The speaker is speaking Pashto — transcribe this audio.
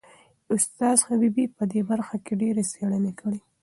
استاد حبیبي په دې برخه کې ډېرې څېړنې کړي.